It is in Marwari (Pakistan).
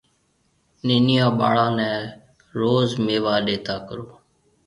ننيون ٻاݪون نَي روز ميوا ڏَيتا ڪرو۔